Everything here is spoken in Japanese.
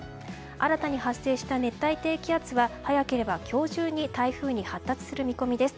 新たに発生した熱帯低気圧は早ければ今日中に台風に発達する見込みです。